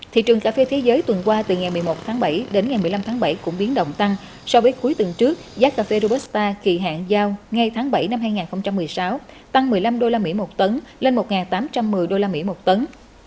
thị trường cà phê thế giới tuần qua từ ngày một mươi một tháng bảy đến ngày một mươi năm tháng bảy cũng biến động tăng so với cuối tuần trước giá cà phê robusta kỳ hạn giao ngay tháng bảy năm hai nghìn một mươi sáu tăng một mươi năm usd một tấn lên một tám trăm một mươi usd một tấn